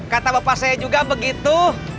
kata bapak saya juga begitu